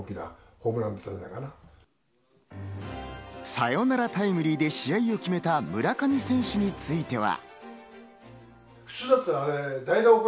サヨナラタイムリーで試合を決めた村上選手については。